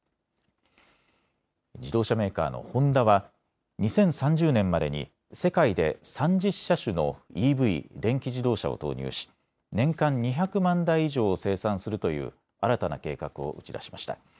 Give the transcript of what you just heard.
自動車メーカーのホンダは、２０３０年までに世界で３０車種のＥＶ・電気自動車を投入し年間２００万台以上を生産するという新たな計画を打ち出しました。